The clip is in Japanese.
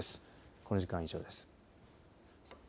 この時間、以上です。